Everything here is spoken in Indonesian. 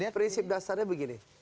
prinsip dasarnya begini